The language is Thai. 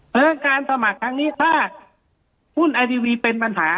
เพื่อการสมัครทางนี้ถ้าหุ้นไอทีวีเป็นปัญหา